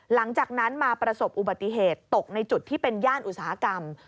หลังจากนั้นมาประสบอุบัติเหตุตกในจุดที่เป็นย่านอุตสาหกรรม